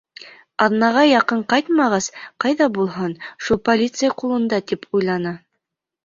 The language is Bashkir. Аҙнаға яҡын ҡайтмағас, ҡайҙа булһын, шул полиция ҡулында тип уйланы.